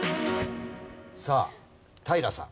さあ平さん。